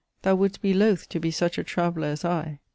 thou would'st be loth To be such a traveller as I.